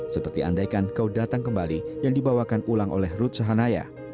seperti andaikan kau datang kembali yang dibawakan ulang oleh ruth sahanaya